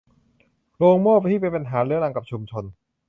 โรงโม่ที่เป็นปัญหาเรื้อรังกับชุมชน